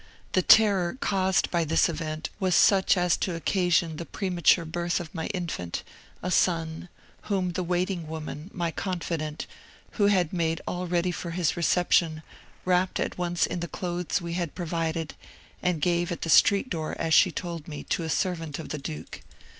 The terror caused by this event was such as to occasion the premature birth of my infant, a son, whom the waiting woman, my confidant, who had made all ready for his reception, wrapped at once in the clothes we had provided, and gave at the street door, as she told me, to a servant of the duke.